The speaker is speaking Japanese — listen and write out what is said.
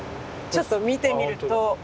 ちょっと見てみると。